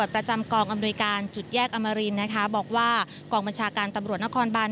ประจำกองอำนวยการจุดแยกอมรินนะคะบอกว่ากองบัญชาการตำรวจนครบาน